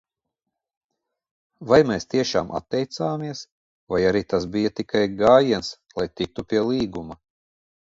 Vai mēs tiešām atteicāmies, vai arī tas bija tikai gājiens, lai tiktu pie līguma?